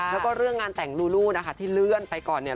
แล้วก็เรื่องงานแต่งลูลูนะคะที่เลื่อนไปก่อนเนี่ย